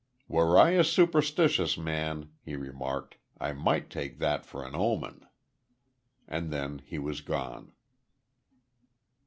"Were I a superstitious man," he remarked, "I might take that for an omen." And then he was gone.